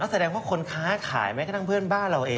แล้วแสดงว่าคนค้าขายก็ตั้งเพื่อนบ้านเราเอง